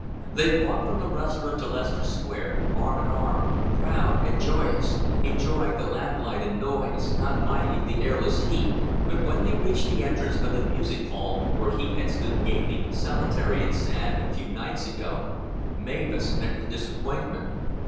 They walked from the restaurant to Leicester Square, arm in arm, proud and joyous, enjoying the lamplight and noise, not minding the airless heat; but when they reached the entrance of the music hall where he had stood gaping, solitary and sad, a few nights ago Mavis met with disappointment.